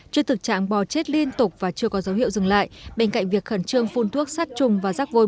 trước thực trạng bò chết liên tục và chưa có dấu hiệu dừng lại bên cạnh việc khẩn trương phun thuốc sát trùng và rắc vôi